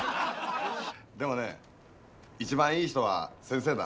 でもね一番いい人は先生だ。